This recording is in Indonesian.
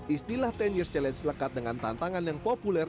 istilah sepuluh years challenge lekat dengan tantangan yang populer